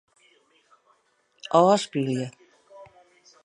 Ofspylje.